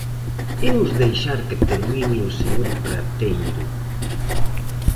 Imos deixar que termine o señor Prateiro.